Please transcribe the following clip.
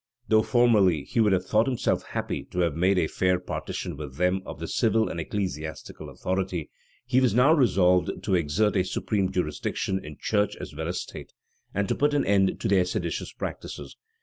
Though formerly he would have thought himself happy to have made a fair partition with them of the civil and ecclesiastical authority, he was now resolved to exert a supreme jurisdiction in church as well as state, and to put an end to their seditious practices.